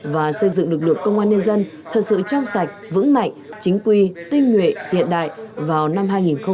và xây dựng lực lượng công an nhân dân thật sự trong sạch vững mạnh chính quy tinh nguyện hiện đại vào năm hai nghìn hai mươi